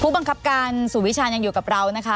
บังคับการสู่วิชาญยังอยู่กับเรานะคะ